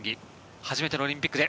初めてのオリンピックで。